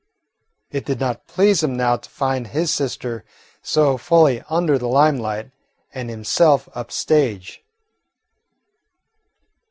It did not please him now to find his sister so fully under the limelight and himself "up stage."